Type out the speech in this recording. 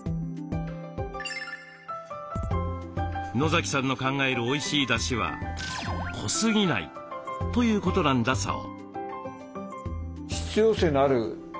野さんの考えるおいしいだしは濃すぎないということなんだそう。